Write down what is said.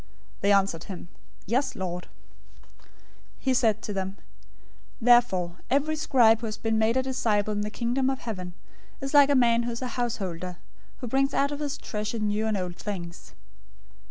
They answered him, "Yes, Lord." 013:052 He said to them, "Therefore, every scribe who has been made a disciple in the Kingdom of Heaven is like a man who is a householder, who brings out of his treasure new and old things."